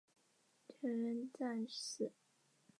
它还可以防止水土流失从这些场地防止进一步污染。